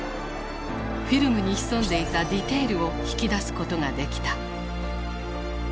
フィルムに潜んでいたディテールを引き出すことができた。